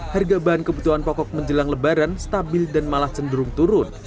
harga bahan kebutuhan pokok menjelang lebaran stabil dan malah cenderung turun